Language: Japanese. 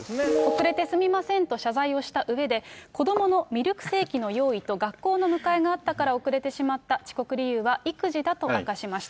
遅れてすみませんと謝罪をしたうえで、子どものミルクセーキの用意と学校の迎えがあったから遅れてしまった、遅刻理由は育児だと明かしました。